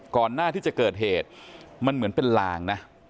ก่อนหน้าที่จะเกิดเหตุมันเหมือนเป็นลางนะ